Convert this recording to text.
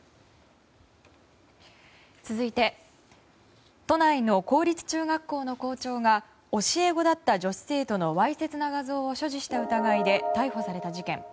続いて都内の公立中学校の校長が教え子だった女子生徒のわいせつな画像を所持した疑いで逮捕された事件。